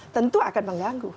tentu akan mengganggu